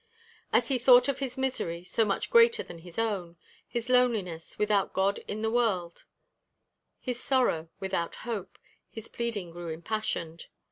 As he thought of his misery, so much greater than his own; his loneliness, without God in the world; his sorrow, without hope, his pleading grew impassioned.